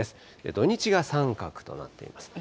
土日が三角となっています。